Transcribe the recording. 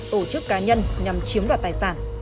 tổ chức cá nhân nhằm chiếm đoạt tài sản